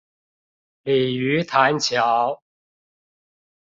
鯉魚潭橋